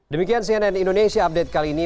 demikian cnn indonesia update kali ini